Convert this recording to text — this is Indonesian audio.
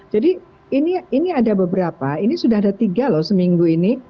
jadi ini ada beberapa ini sudah ada tiga loh seminggu ini